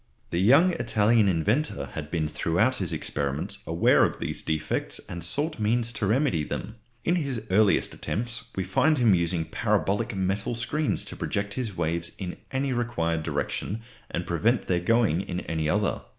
The young Italian inventor had been throughout his experiments aware of these defects and sought means to remedy them. In his earliest attempts we find him using parabolic metal screens to project his waves in any required direction and prevent their going in any other.